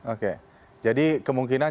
oke jadi kemungkinan